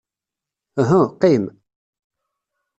Uhu, qqim.